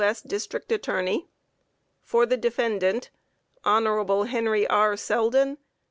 S. District Attorney. For the Defendant: HON. HENRY R. SELDEN.